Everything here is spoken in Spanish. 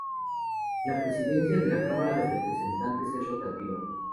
La Presidencia de la Cámara de Representantes es rotativa.